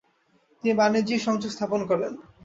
তিনি বাণিজ্যিক সংযোগ স্থাপন করেন।